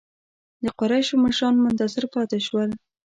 د قریشو مشران منتظر پاتې شول.